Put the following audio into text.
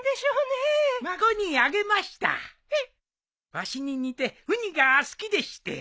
わしに似てウニが好きでして。